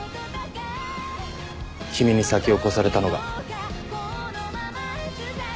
君に先を越されたのが。